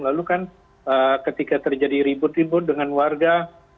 lalu kan ketika terjadi ribut ribut dengan warga